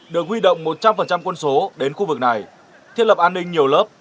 được huy động một trăm linh quân số đến khu vực này thiết lập an ninh nhiều lớp